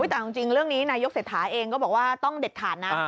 แต่จริงเรื่องนี้นายกเศรษฐาเองก็บอกว่าต้องเด็ดขาดนะ